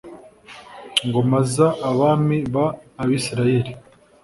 ngoma z abami b abisirayeli